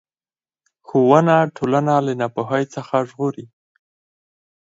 ښوونه ټولنه له ناپوهۍ څخه ژغوري